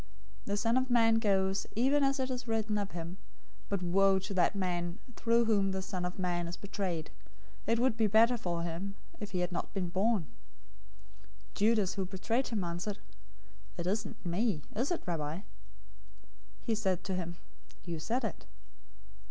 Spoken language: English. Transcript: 026:024 The Son of Man goes, even as it is written of him, but woe to that man through whom the Son of Man is betrayed! It would be better for that man if he had not been born." 026:025 Judas, who betrayed him, answered, "It isn't me, is it, Rabbi?" He said to him, "You said it."